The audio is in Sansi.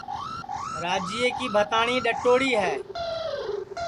راجیے کی بھتاٹؔی ڈؔٹؔوڑی ہے